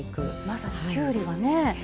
まさにきゅうりがね